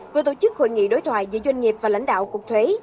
vừa tổ chức hội nghị đối thoại giữa doanh nghiệp và lãnh đạo cục thuế